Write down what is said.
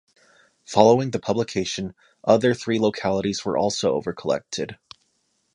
Following the publication, other three localities were also overcollected.